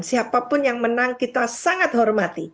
siapapun yang menang kita sangat hormati